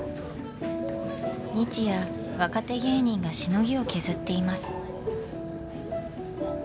日夜若手芸人がしのぎを削っています。